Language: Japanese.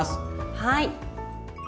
はい。